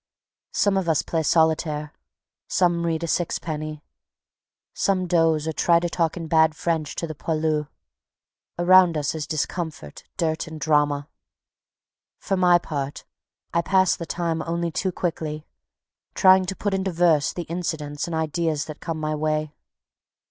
Some of us play solitaire, some read a "sixpenny", some doze or try to talk in bad French to the poilus. Around us is discomfort, dirt and drama. For my part, I pass the time only too quickly, trying to put into verse the incidents and ideas that come my way.